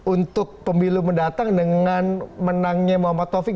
untuk pemilu mendatang dengan menangnya muhammad taufik